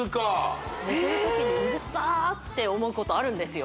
寝てる時に「うるさ」って思うことあるんですよ